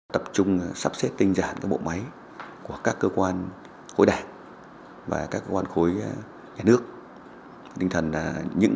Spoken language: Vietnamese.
tập trung sắp xếp tinh giản bộ máy của các cơ quan khối đảng